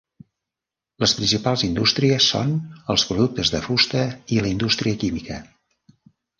Les principals indústries son els productes de fusta i la indústria química.